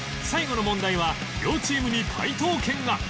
最後の問題は両チームに解答権が！